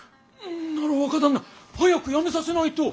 なら若旦那早くやめさせないと！